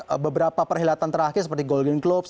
mungkin beberapa perkhidmatan terakhir seperti golden globes